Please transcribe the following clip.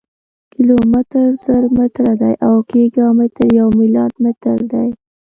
کیلومتر زر متره دی او ګیګا متر یو ملیارډ متره دی.